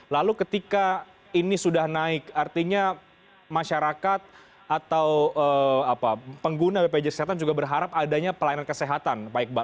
lalu ketika ini sudah naik artinya masyarakat atau pengguna bpjs kesehatan juga berharap adanya pelayanan kesehatan pak iqbal